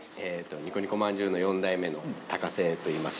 ニコニコ饅頭の４代目の高瀬といいます。